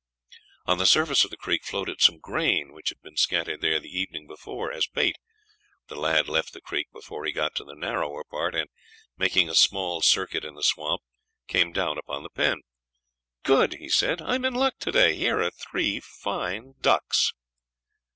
On the surface of the creek floated some grain which had been scattered there the evening before as a bait. The lad left the creek before he got to the narrower part, and, making a small circuit in the swamp, came down upon the pen. "Good!" he said, "I am in luck to day; here are three fine ducks."